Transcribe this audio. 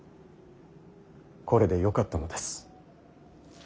これでよかったのです。